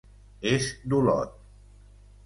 És d'Olot.